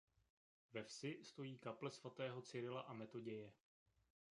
Ve vsi stojí kaple svatého Cyrila a Metoděje.